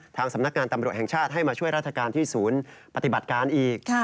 สำนักงานตำรวจแห่งชาติให้มาช่วยราชการที่ศูนย์ปฏิบัติการอีก